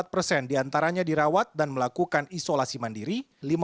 empat puluh enam empat persen diantaranya dirawat dan melakukan isolasi mandiri